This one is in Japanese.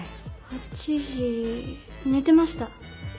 ８時寝てました。